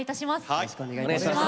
よろしくお願いします。